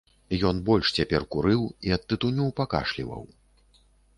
Ён больш цяпер курыў і ад тытуню пакашліваў.